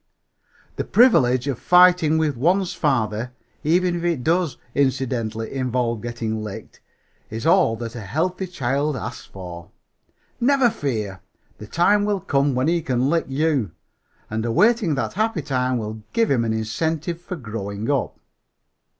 The privilege of fighting with one's father, even if it does incidentally involve getting licked, is all that a healthy child asks for. Never fear, the time will come when he can lick you; and awaiting that happy time will give him an incentive for growing up.